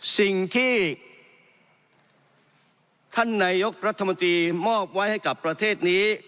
สิ่งที่ท่านนายกรัฐมนตรีมอบไว้ให้กับประเทศนี้